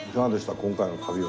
今回の旅は。